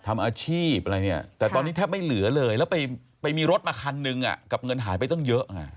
ทำอาชีพอะไรเนี่ยแต่ตอนนี้แทบไม่เหลือเลยแล้วไปมีรถมาคันนึงกับเงินหายไปตั้งเยอะไง